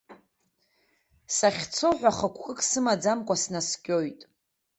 Сахьцо ҳәа хықәкык сымаӡамкәа снаскьоит.